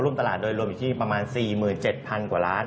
ตลาดโดยรวมอยู่ที่ประมาณ๔๗๐๐กว่าล้าน